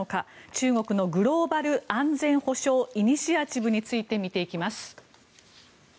中国のグローバル安全保障イニシアチブについて見ていきます。